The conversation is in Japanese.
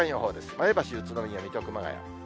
前橋、宇都宮、水戸、熊谷。